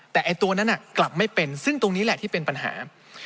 แต่ไอ้ตัวนั้นกลับไม่เป็นซึ่งตรงนี้แหละที่เป็นปัญหา